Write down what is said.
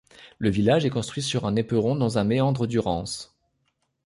Le village est construit sur un éperon dans un méandre du Rance.